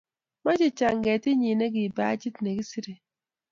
Mo che chang e tinyinekipajiit ne kiserei.